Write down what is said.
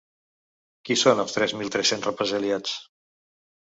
Qui són els tres mil tres-cents represaliats?